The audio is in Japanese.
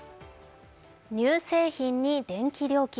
乳製品に電気料金。